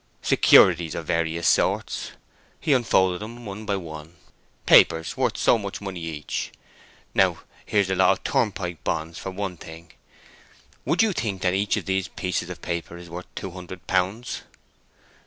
"Securities of various sorts." He unfolded them one by one. "Papers worth so much money each. Now here's a lot of turnpike bonds for one thing. Would you think that each of these pieces of paper is worth two hundred pounds?"